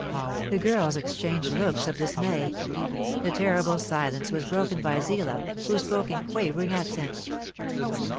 The girls exchanged looks of dismay. The terrible silence was broken by Zillah, who spoke in quavering accents.